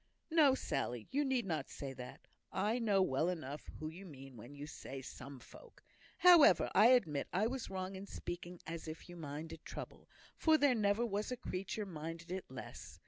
"No, Sally, you need not say that. I know well enough who you mean when you say 'some folk.' However, I admit I was wrong in speaking as if you minded trouble, for there never was a creature minded it less.